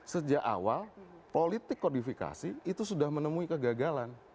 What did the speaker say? sejak awal politik kodifikasi itu sudah menemui kegagalan